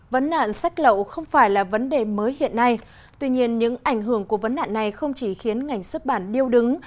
vấn nạn sách lậu không phải là vấn đề mới hiện nay tuy nhiên những ảnh hưởng của vấn nạn này không chỉ khiến ngành xuất bản điêu đứng